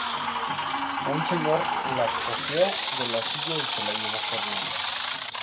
Un señor la cogió de la silla y se la llevó corriendo.